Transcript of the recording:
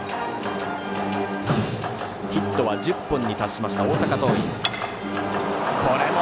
ヒットは１０本に達しました大阪桐蔭。